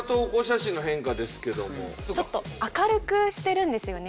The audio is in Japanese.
ちょっと明るくしてるんですよね。